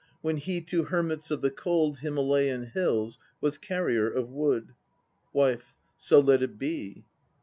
When he to hermits of the cold Himalayan Hills was carrier of wood. WIFE. So let it be.